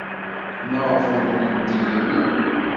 Maɣef ur nnint i yiwen?